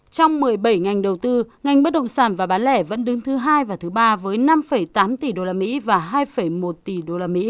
trong một mươi bảy ngành đầu tư ngành bất động sản và bán lẻ vẫn đứng thứ hai và thứ ba với năm tám tỷ usd và hai một tỷ usd